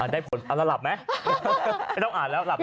ได้ผลเอาแล้วหลับไหมไม่ต้องอ่านแล้วหลับ